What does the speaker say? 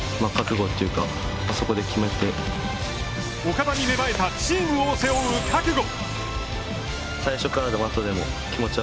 岡田に芽生えた、チームを背負う覚悟。